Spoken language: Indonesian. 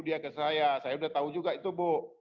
dia ke saya saya udah tahu juga itu bu